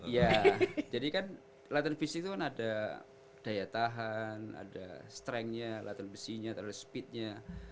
iya jadi kan latar fisik itu kan ada daya tahan ada strengnya latar besinya ada speednya